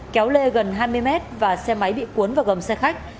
kéo lê gần hai mươi mét và xe máy bị cuốn vào gầm xe khách